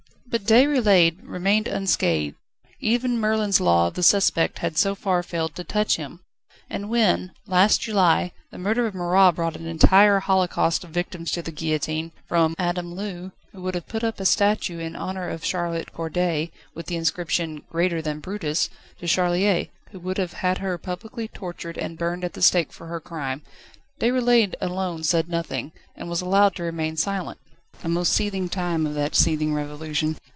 But Déroulède remained unscathed. Even Merlin's law of the suspect had so far failed to touch him. And when, last July, the murder of Marat brought an entire holocaust of victims to the guillotine from Adam Lux, who would have put up a statue in honour of Charlotte Corday, with the inscription: "Greater than Brutus", to Charlier, who would have had her publicly tortured and burned at the stake for her crime Déroulède alone said nothing, and was allowed to remain silent. The most seething time of that seething revolution.